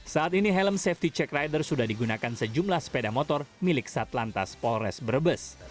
saat ini helm safety check rider sudah digunakan sejumlah sepeda motor milik satlantas polres brebes